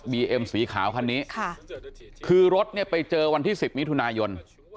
เอ็มสีขาวคันนี้ค่ะคือรถเนี่ยไปเจอวันที่๑๐มิถุนายน